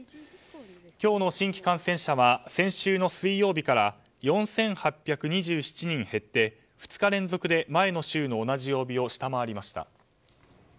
今日の新規感染者は先週の水曜日から４８２７人減って２日連続で前の週の同じ曜日を下回りました。